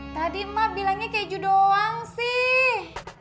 tadi mak bilangnya keju doang sih